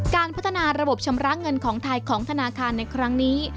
การพัฒนาระบบชำระเงินของไทยของธนาคารในครั้งนี้